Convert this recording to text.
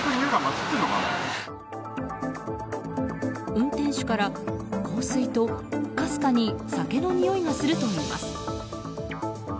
運転手から、香水とかすかに酒のにおいがするといいます。